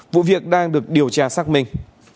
vụ việc đang được điều tra xác minh